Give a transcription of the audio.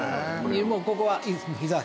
もうここは伊沢。